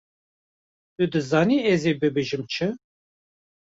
Tu dizanî ez ê bibêjim çi!